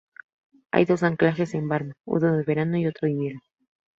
Hay dos anclajes en Varna: uno de verano y otro invierno.